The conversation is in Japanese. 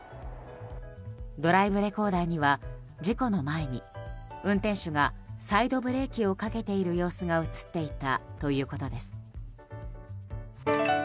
ドライブレコーダーには事故の前に運転手がサイドブレーキをかけている様子が映っていたということです。